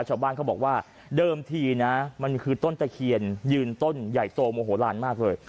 ชาวบ้านเขาบอกว่าเดิมทีนะมันคือต้นตะเคียนยืนต้นใหญ่โตโมโหลานมากเลย